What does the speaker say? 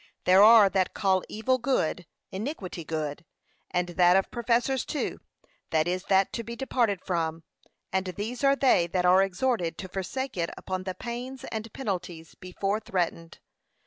There are that call evil good, iniquity good, and that of professors too: this is that to be departed from, and these are they that are exhorted to forsake it upon the pains and penalties before threatened.